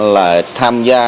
là tham gia